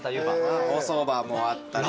おそばもあったりとか。